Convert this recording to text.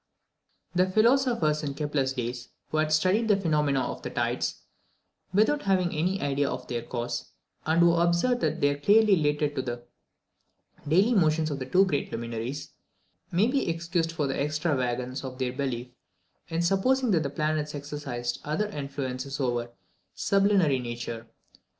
The philosophers in Kepler's day, who had studied the phenomena of the tides, without having any idea of their cause, and who observed that they were clearly related to the daily motions of the two great luminaries, may be excused for the extravagance of their belief in supposing that the planets exercised other influences over "sublunary nature."